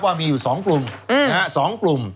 ว่ามีอยู่๒กลุ่ม